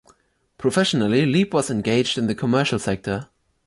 Professionally, Leip was engaged in the commercial sector.